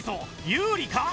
有利か？